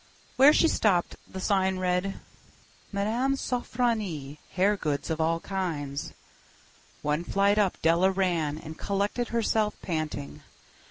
Where she stopped the sign read: "Mme. Sofronie. Hair Goods of All Kinds." One flight up Della ran, and collected herself, panting.